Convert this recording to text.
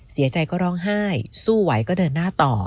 เสียใจก็ร้องไห้สู้ไหวก็เดินหน้าต่อ